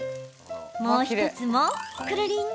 もう１つもくるりん。